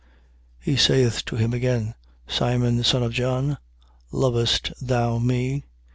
21:16. He saith to him again: Simon, son of John, lovest thou me?